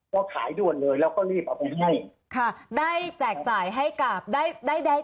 ก็ขายด่วนเลยแล้วก็รีบเอาไปให้ค่ะได้แจกจ่ายให้กับได้ได้ได้